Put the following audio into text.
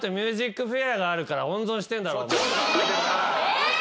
えっ！？